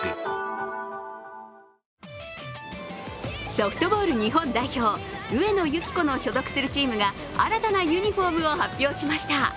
ソフトボール日本代表・上野由岐子の所属するチームが新たなユニフォームを発表しました。